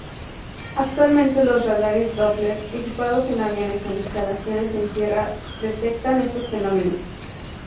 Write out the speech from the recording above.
Actualmente los radares Doppler equipados en aviones e instalaciones en tierra detectan estos fenómenos.